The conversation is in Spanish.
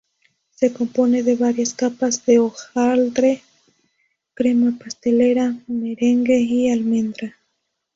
Se compone de varias capas de hojaldre, crema pastelera, merengue y almendra.